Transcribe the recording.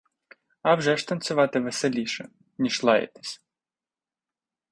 Авжеж танцювати веселіше, ніж лаятись.